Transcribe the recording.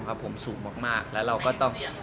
แต่หลายเสียง